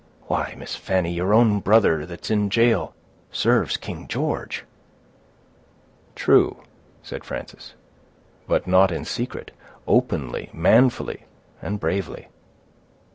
"Why, Miss Fanny, your own brother that's in jail serves King George." "True," said Frances, "but not in secret—openly, manfully, and bravely."